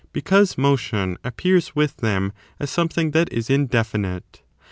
because motion appears with them as something that is inde finite.